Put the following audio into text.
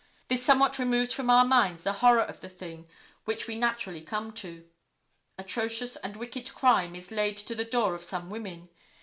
This somewhat removes from our minds the horror of the thing which we naturally come to. Atrocious and wicked crime is laid to the door of some women.